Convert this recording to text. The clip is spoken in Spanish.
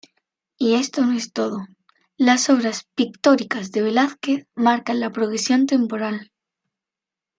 Y esto no es todo; las obras pictóricas de Velázquez marcan la progresión temporal.